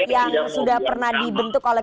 yang sudah pernah dibentuk oleh